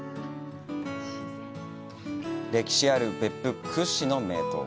歴史ある別府屈指の名湯。